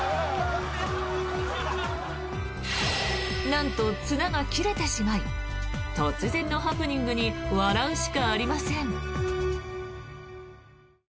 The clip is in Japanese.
なんと、綱が切れてしまい突然のハプニングに笑うしかありません。